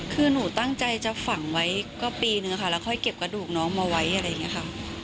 คือหนูตั้งใจจะฝังไว้ก็ปีนึงค่ะแล้วค่อยเก็บกระดูกน้องมาไว้อะไรอย่างนี้ค่ะ